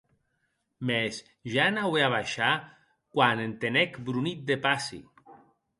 Mès ja anaue a baishar, quan entenec bronit de passi.